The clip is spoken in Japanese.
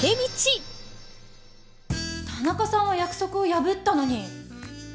田中さんは約束を破ったのに。